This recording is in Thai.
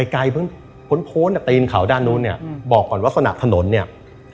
พ้นตีนเขาด้านนู้นเนี่ยบอกก่อนว่าสนับถนนเนี่ย